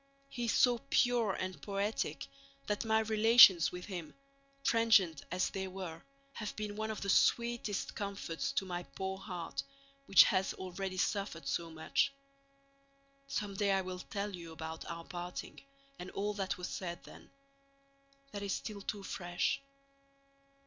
He is so pure and poetic that my relations with him, transient as they were, have been one of the sweetest comforts to my poor heart, which has already suffered so much. Someday I will tell you about our parting and all that was said then. That is still too fresh.